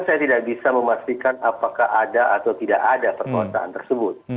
saya tidak bisa memastikan apakah ada atau tidak ada perkosaan tersebut